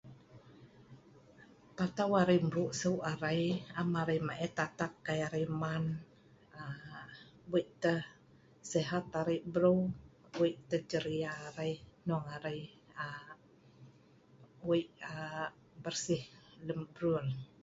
Patau arai mru' se'eu arai, am arai maet atak kai arai man.wei sihat(wei aheng) arai breu, wei tah ceria(atek-atek) arai hnong arai wei bersih(pelino') lem brul